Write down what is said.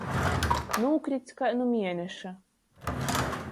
Nūkrits kai nu mieneša.